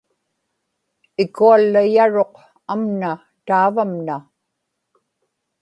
ikuallayaruq amna taavamna